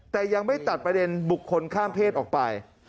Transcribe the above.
แต่ยังไม่ตัดประเด็นบุคคลข้ามเพศออกไป